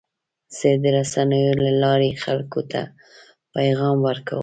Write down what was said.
زه د رسنیو له لارې خلکو ته پیغام ورکوم.